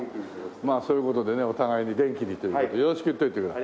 まあそういう事でねお互いに元気にとよろしく言っておいてください。